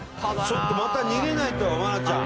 ちょっとまた逃げないと愛菜ちゃん。